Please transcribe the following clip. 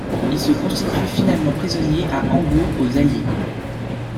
Il se constitue finalement prisonnier à Hambourg, aux Alliés.